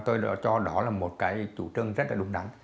tôi đã cho đó là một cái chủ trương rất là đúng đắn